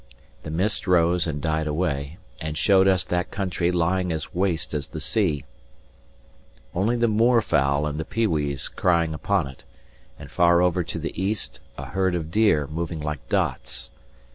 The mist rose and died away, and showed us that country lying as waste as the sea; only the moorfowl and the pewees crying upon it, and far over to the east, a herd of deer, moving like dots.